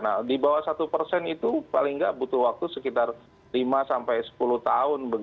nah di bawah satu persen itu paling nggak butuh waktu sekitar lima sampai sepuluh tahun